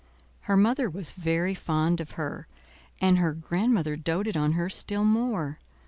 Her mother was very fond of her, and her grandmother doted on her still more.